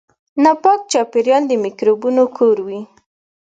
ناپاک چاپیریال د میکروبونو کور وي.